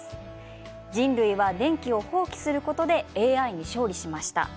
人類は電気を放棄することでＡＩに勝利しました。